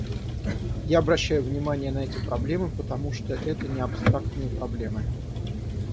Я обращаю внимание на эти проблемы, потому что это не абстрактные проблемы.